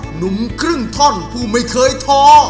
หนุ่มครึ่งท่อนผู้ไม่เคยท้อ